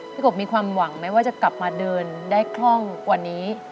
กบมีความหวังไหมว่าจะกลับมาเดินได้คล่องกว่านี้